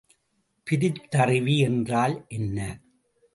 பிரித்தறிவி என்றால் என்ன?